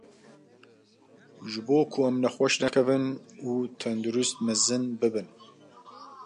Ji bo ku em nexweş nekevin û tendurist mezin bibin.